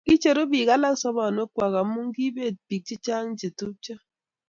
kiicheru biik alak sobonwekwak amu kiibet biik che chang' che tupcho